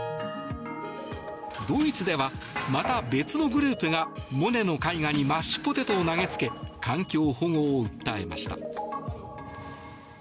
ドイツでは、また別のグループがモネの絵画にマッシュポテトを投げつけ環境保護を訴えました。